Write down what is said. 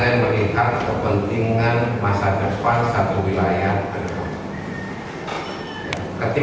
partai memberikan kepentingan masa depan satu wilayah kepada bobi